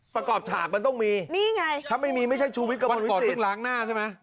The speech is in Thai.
ประกอบฉากมันต้องมีนี่ไงถ้าไม่มีไม่ใช่ชูวิทย์กระมวลก่อนต้องล้างหน้าใช่ไหม